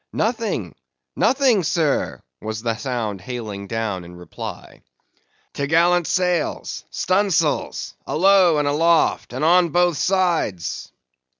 "Nothing, nothing sir!" was the sound hailing down in reply. "T'gallant sails!—stunsails! alow and aloft, and on both sides!"